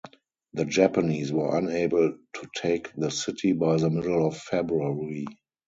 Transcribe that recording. The Japanese were unable to take the city by the middle of February.